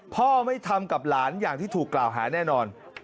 พ่อไม่ทำกับหลานอย่างที่ถูกกล่าวหาแน่นอน